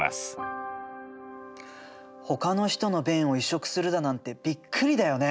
ほかの人の便を移植するだなんてびっくりだよね。